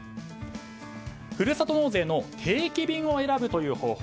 ふるさと納税の定期便を選ぶという方法。